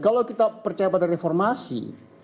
kalau kita percaya pada reformasi